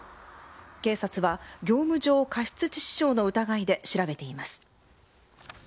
警察は業務上過失致死傷の疑いで調べています。